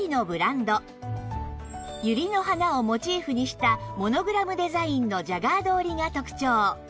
ユリの花をモチーフにしたモノグラムデザインのジャガード織りが特長